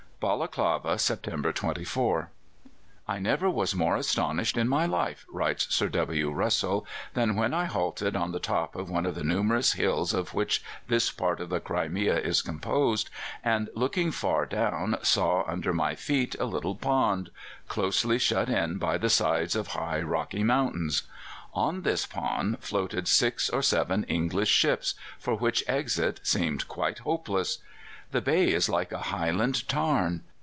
"Balaklava, September 24. I never was more astonished in my life," writes Sir W. Russell, "than when I halted on the top of one of the numerous hills of which this part of the Crimea is composed, and looking far down, saw under my feet a little pond, closely shut in by the sides of high, rocky mountains. On this pond floated six or seven English ships, for which exit seemed quite hopeless. The bay is like a highland tarn.